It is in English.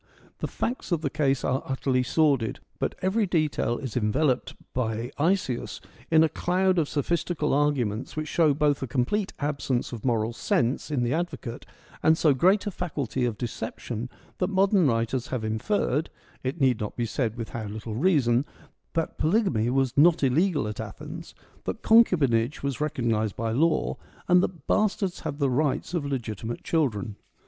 The facts of the case are utterly sordid ; but every detail is enveloped by Isaeus in a cloud of sophistical arguments which show both a complete absence of moral sense in the advocate and so great a faculty of deception that modern writers have inferred — it need not be said with how little reason — that polygamy was not illegal at Athens, that concubinage was recognised by law, and that bastards had the rights of legitimate children.